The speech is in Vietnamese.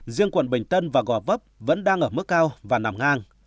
riêng quận bình tân và gò vấp vẫn đang ở mức cao và nằm ngang